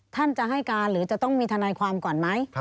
ท่านจะให้การหรือจะต้องมีทนายความก่อนไหม